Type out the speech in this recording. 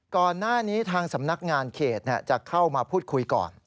ก่อนหน้านี้ทางสำนักงานเขตจะเข้ามาพูดคุยก่อน